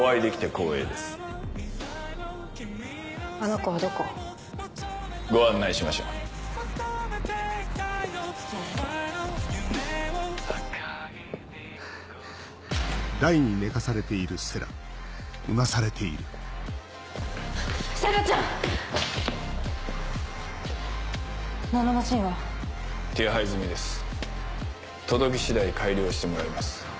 届き次第改良してもらいます。